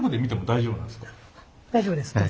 大丈夫です。